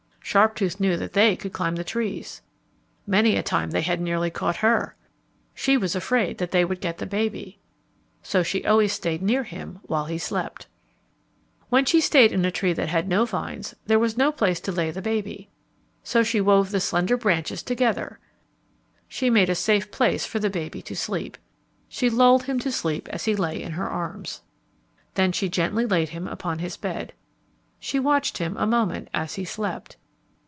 Sharptooth knew that they could climb the trees. Many a time they had nearly caught her. She was afraid that they would get the baby. So she always stayed near him while he slept. [Illustration: "She made a safe place for the baby to sleep"] When she stayed in a tree that had no vines, there was no place to lay the baby. So she wove the slender branches together. She made a safe place for the baby to sleep. She lulled him to sleep as he lay in her arms. Then she gently laid him upon his bed. She watched him a moment as he slept.